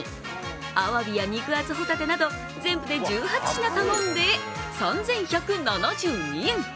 あわびや肉厚帆立てなど全部で１８品頼んで３１７２円。